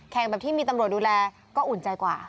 แบบที่มีตำรวจดูแลก็อุ่นใจกว่า